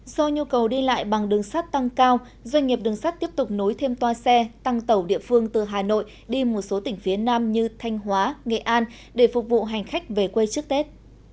do nhu cầu đi lại bằng đường sắt tăng cao doanh nghiệp đường sắt tiếp tục nối thêm toa xe tăng tàu địa phương từ hà nội đi một số tỉnh phía nam như thanh hóa nghệ an để phục vụ hành khách về quê trước tết